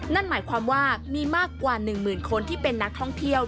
นั่นหมายความว่ามีมากกว่า๑หมื่นคนที่เป็นนักท่องเที่ยว